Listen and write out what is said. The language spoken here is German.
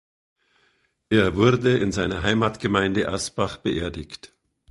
Er wurde in seiner Heimatgemeinde Aspach beerdigt.